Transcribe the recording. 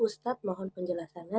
ustadz mohon penjelasannya